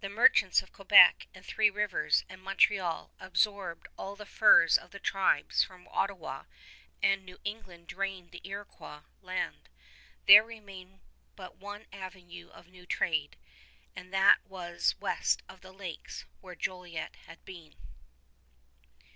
The merchants of Quebec and Three Rivers and Montreal absorbed all the furs of the tribes from the Ottawa; and New England drained the Iroquois land. There remained but one avenue of new trade, and that was west of the Lakes, where Jolliet had been.